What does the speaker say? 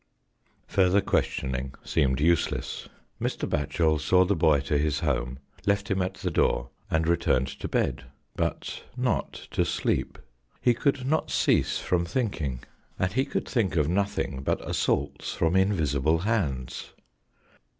Further questioning seemed useless. Mr. Batchel saw the boy to his home, left him at the door, and returned to bed, but not to sleep. He could not cease from thinking, 119 ©HOST TALES. and he could think of nothing but assaults from invisible hands.